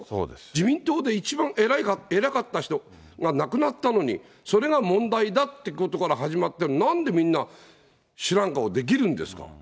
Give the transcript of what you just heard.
自民党で一番偉かった人が亡くなったのに、それが問題だってことから始まってるのに、なんでみんな知らん顔できるんですか。